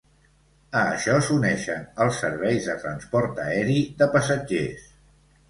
A això s'uneixen els serveis de transport aeri de passatgers.